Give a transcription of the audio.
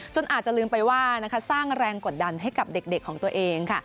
อาจจะลืมไปว่าสร้างแรงกดดันให้กับเด็กของตัวเองค่ะ